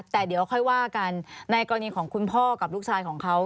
แต่เดี๋ยวค่อยว่ากันในกรณีของคุณพ่อกับลูกชายของเขา